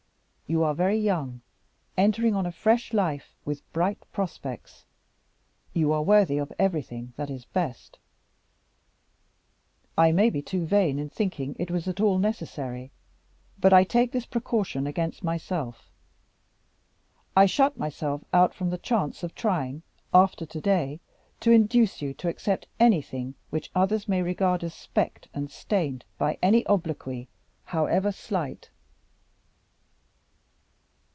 You are very young, entering on a fresh life with bright prospects you are worthy of everything that is best. I may be too vain in thinking it was at all necessary; but I take this precaution against myself. I shut myself out from the chance of trying, after to day, to induce you to accept anything which others may regard as specked and stained by any obloquy, however slight."